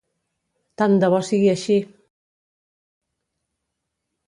Tant de bo sigui així!